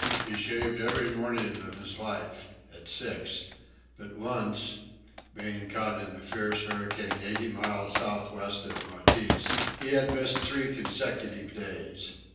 He shaved every morning of his life at six but once (being caught in a fierce hurricane eighty miles southwest of Mauritius) he had missed three consecutive days.